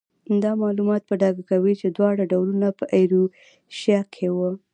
دا معلومات په ډاګه کوي چې دواړه ډولونه په ایروشیا کې وو.